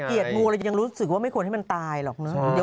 เราเกลียดงูอะไรยังรู้สึกว่าไม่ควรให้มันตายหรอกนะ